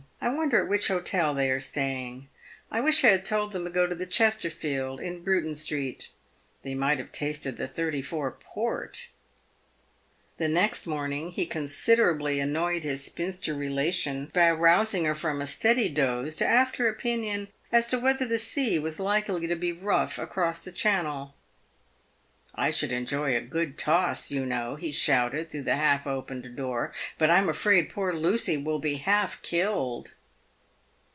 I wonder at which hotel they are staying ? I wish I had told them to go to the Chesterfield, in Bruton street. They might have tasted the '34 port." The next morning, he considerably annoyed his spinster relation by arousing her from a steady doze, to ask her opinion as to whether the sea was likely to be rough across the Channel ?" I should enjoy a good toss, you know," he shouted, through the half opened door, " but I'm afraid poor Lucy will be half killed.'